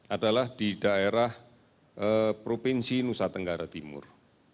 adalah di daerah provinsi nusa tenggara timur